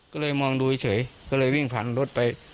ก็เลยมองดูเฉยก็เลยวิ่งผ่านรถไป